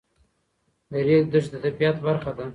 د ریګ دښتې د طبیعت برخه ده.